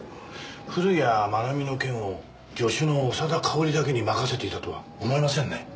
古谷愛美の件を助手の長田かおりだけに任せていたとは思えませんね。